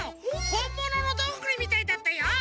ほんもののどんぐりみたいだったよ！